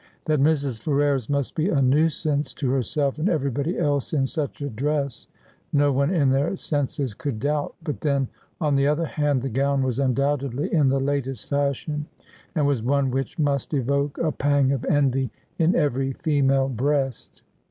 That Mrs. Ferrers must be a nuisance to herself and everybody else in such a dress no one in their senses could doubt ; but then on the other hand the gown was undoubtedly in the latest fashion, and was one which must evoke a pang of envy in every female breast.